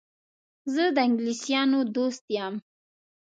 زه د انګلیسیانو دوست یم.